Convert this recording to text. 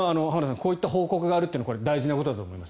こういった報告があるのは大事なことだと思います。